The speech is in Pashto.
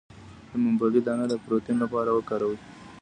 د ممپلی دانه د پروتین لپاره وکاروئ